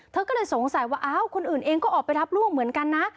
เธอก็เลยสงสัยว่าอ้าวคนอื่นเองก็ออกไปรับลูกเหมือนกันนะ